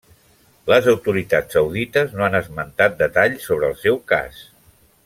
Les autoritats saudites no han esmentat detalls sobre el seu cas.